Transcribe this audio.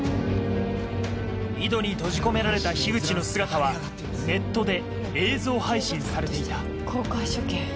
井戸に閉じ込められた口の姿はネットで映像配信されていた公開処刑。